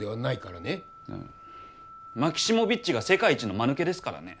マキシモヴィッチが世界一のまぬけですからね。